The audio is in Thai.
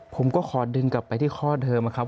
ผมก็ขอดึงกลับไปที่ข้อเดิมครับ